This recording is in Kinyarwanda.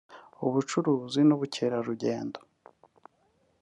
ubucuruzi n’ ubukerarugendo